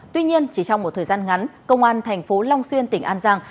tuy nhiên chỉ trong một thời gian ngắn công an thành phố long xuyên tỉnh an giang